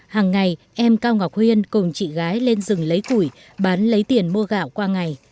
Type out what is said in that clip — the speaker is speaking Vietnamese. hằng ngày em cao ngọc huyên cùng chị gái lên rừng lấy củi bán lấy tiền mua gạo qua ngày